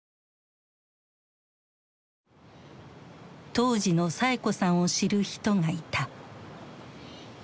当時のサエ子さんを知る人がいた。